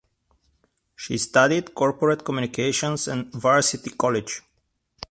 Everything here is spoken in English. She studied corporate communications at Varsity College.